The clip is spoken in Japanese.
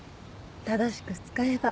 正しく使えば。